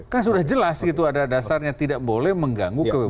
kan sudah jelas gitu ada dasarnya tidak boleh mengganggu kebebasan